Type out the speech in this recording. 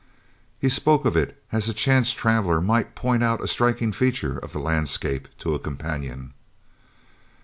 He spoke of it as a chance traveller might point out a striking feature of the landscape to a companion.